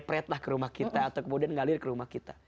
sepret lah ke rumah kita atau kemudian ngalir ke rumah kita